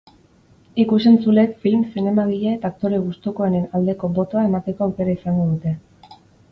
Ikus-entzuleek film, zinemagile eta aktore gustukoenen aldeko botoa emateko aukera izango dute.